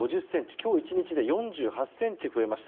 今日１日で４８ｃｍ増えました。